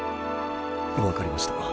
分かりました。